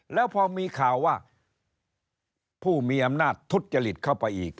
แล้วพอมีข่าวว่าผู้มีอำนาจทุจจริตเข้าไปอีก